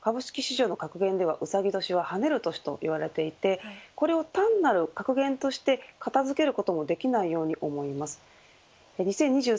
今年はうさぎ年ですが株式市場の格言ではうさぎ年は跳ねる年と言われていてこれを単なる格言として片付けることもできないように思います。